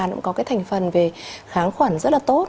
cũng có cái thành phần về kháng khuẩn rất là tốt